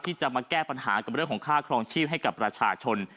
ที่จะมาแก้ปัญหากับเรื่องของค่าครองชีพให้กับประชาชน